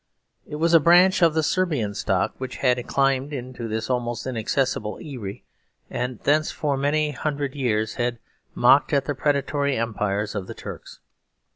It was a branch of the Serbian stock which had climbed into this almost inaccessible eyrie, and thence, for many hundred years, had mocked at the predatory empire of the Turks.